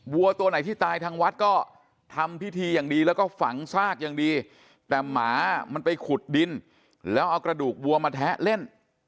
วัวตัวไหนที่ตายทางวัดก็ทำพิธีอย่างดีแล้วก็ฝังซากอย่างดีแต่หมามันไปขุดดินแล้วเอากระดูกวัวมาแทะเล่น